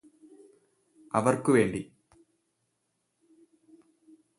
അവര്ക്കുവേണ്ടി